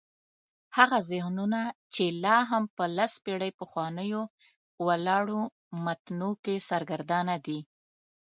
هغه ذهنونه چې لا هم په لس پېړۍ پخوانیو ولاړو متونو کې سرګردانه دي.